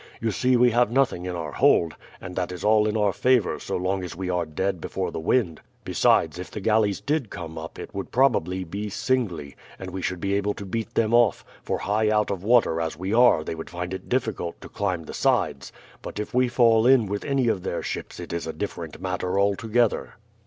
You see we have nothing in our hold, and that is all in our favour so long as we are dead before the wind. Besides, if the galleys did come up it would probably be singly, and we should be able to beat them off, for high out of water as we are they would find it difficult to climb the sides; but if we fall in with any of their ships it is a different matter altogether."